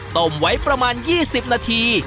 ต้มไว้ประมาณ๒๐นาที